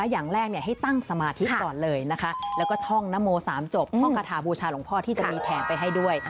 อย่างแรกให้ตั้งสมาธิก่อนเลยนะคะแล้วก็ท่องนโม๓จบท่องคาถาบูชาหลวงพ่อที่จะมีแถมไปให้ด้วย